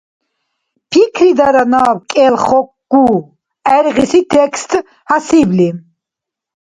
Пикридара наб кӀел хокку гӀергъиси текст хӀясибли